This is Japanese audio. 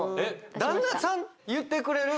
旦那さん言ってくれる？